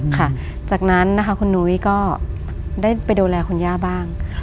ค่ะจากนั้นนะคะคุณนุ้ยก็ได้ไปดูแลคุณย่าบ้าง